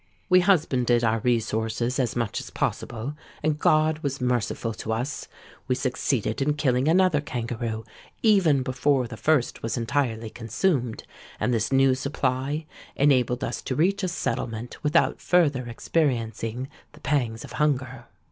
We husbanded our resources as much as possible; and God was merciful to us. We succeeded in killing another kangaroo, even before the first was entirely consumed; and this new supply enabled us to reach a settlement without further experiencing the pangs of hunger.